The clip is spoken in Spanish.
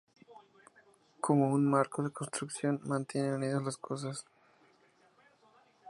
Como un marco de construcción, mantiene unidas las cosas.